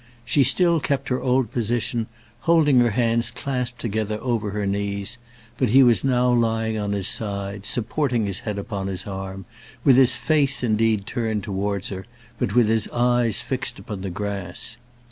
She still kept her old position, holding her hands clasped together over her knees; but he was now lying on his side, supporting his head upon his arm, with his face indeed turned towards her, but with his eyes fixed upon the grass.